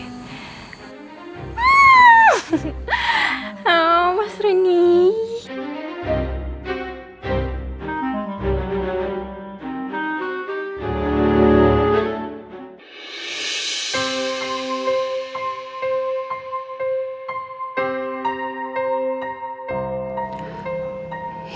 oh kamu masih di rumah